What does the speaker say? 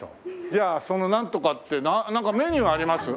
じゃあそのなんとかってメニューあります？